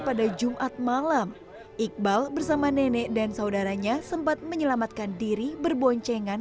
pada jumat malam iqbal bersama nenek dan saudaranya sempat menyelamatkan diri berboncengan